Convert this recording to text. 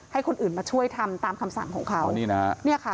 ให้คนอื่นมาช่วยทำตามคำสั่งของเขา